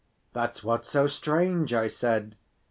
"That's what's so strange," I said.